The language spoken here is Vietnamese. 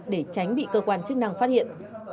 để tránh bị cơ quan chức năng phát hiện